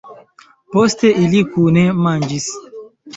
Poste, ili kune manĝis.